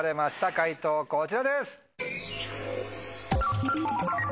解答こちらです。